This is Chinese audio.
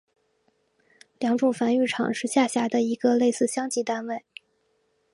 良种繁育场是下辖的一个类似乡级单位。